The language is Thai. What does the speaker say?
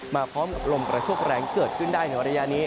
มาพร้อมกระชวกแรงเกิดขึ้นได้ในอายะนี้